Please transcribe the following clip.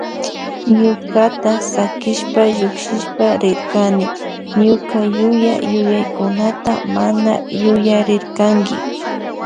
Ñukata sakishpa llukshishpa rirkanki ñuka yuya yuyaykunata mana yuyarirkanki.